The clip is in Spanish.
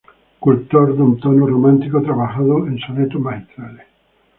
Cultor de un tono romántico trabajado en sonetos magistrales.